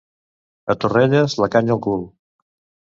A Torrelles, la canya al cul.